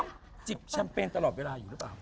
ต้องจิบแชมป์เป็นตลอดเวลาอยู่หรือเปล่า